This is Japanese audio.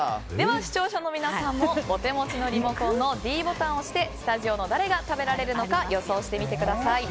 視聴者の皆さんもお手持ちのリモコンのｄボタンを押してスタジオの誰が食べられるのか予想してみてください。